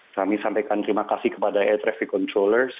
kami sampaikan terima kasih kepada air traffic controllers